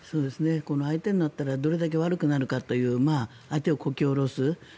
相手になったらどれだけ悪くなるかという相手をこき下ろす。